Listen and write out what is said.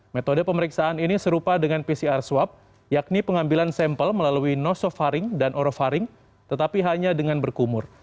metode pemeriksaan ini serupa dengan pcr swab yakni pengambilan sampel melalui nosofaring dan orofaring tetapi hanya dengan berkumur